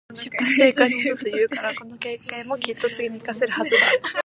「失敗は成功のもと」って言うから、この経験もきっと次に活かせるはずだ。